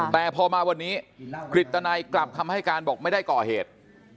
แต่พอมาวันนี้กฤตนัยกลับคำให้การบอกไม่ได้ก่อเหตุ